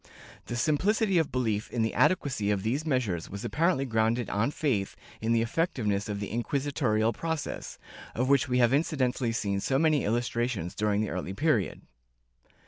The simplicity of belief in the adequacy of these measures was apparently grounded on faith in the effectiveness of the inquisitorial process, of which we have incidentally seen so many illustrations during the early period.